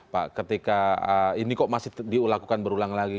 pak ketika ini kok masih dilakukan berulang lagi